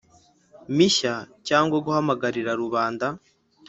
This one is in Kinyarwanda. Mishya cyangwa guhagamagarira rubanda